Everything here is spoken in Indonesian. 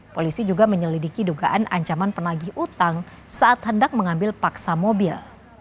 polisi juga menyelidiki dugaan ancaman penagih utang saat hendak mengambil paksa mobil